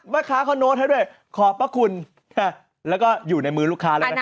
แม่คะเขานดให้ด้วยขอประคุณแล้วก็อยู่ในมือลูกค้าเลยนะคะ